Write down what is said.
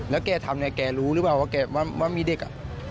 แล้วแกทำเนี่ยแกรู้หรือเปล่าว่าแกว่ามีเด็ก